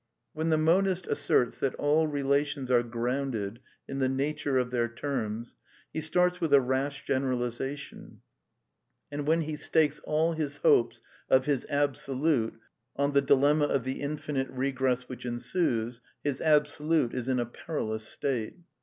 When the monist asserts t^ ' that all relations are grounded in the nature of their terms, ^" he starts with a rash generalization ; and when he stakes all his hopes of his Absolute on the dilemma of the infinite regress which ensues, his Absolute is in a perilous state.